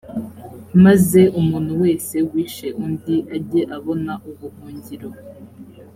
maze umuntu wese wishe undi ajye abona ubuhungiro.